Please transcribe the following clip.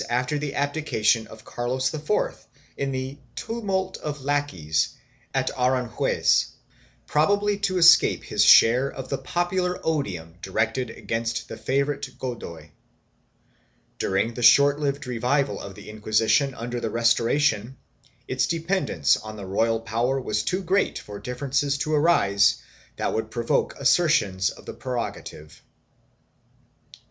21 322 RELATIONS WITH THE CROWN [BOOK II abdication of Carlos IV in the " tumult of lackeys" at Aranjuez, probably to escape his share of the popular odium directed against the favorite Godoy.1 During the short lived revival of the Inquisition under the Restoration, its dependence on the royal power was too great for differences to arise that would provoke assertions of the prerogative.